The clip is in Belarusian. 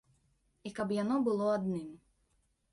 І каб яно было адным.